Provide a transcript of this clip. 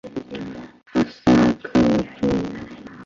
哈萨克族。